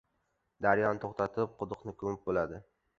• Daryoni to‘xtatib, quduqni ko‘mib bo‘ladi.